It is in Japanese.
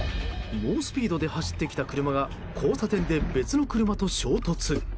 猛スピードで走ってきた車が交差点で別の車と衝突。